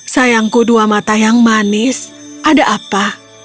sayangku dua mata yang manis ada apa